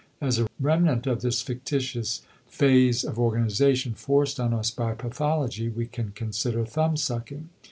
As a remnant of this fictitious phase of organization forced on us by pathology we can consider thumbsucking.